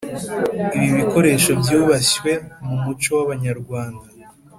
ibi bikoresho byubashywe mu muco w’abanyarwanda